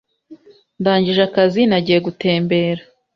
Ndangije akazi, nagiye gutembera.